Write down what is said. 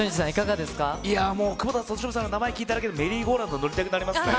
いや、もう久保田利伸さんの名前聞いただけでメリーゴーラウンド乗りたくなりますね。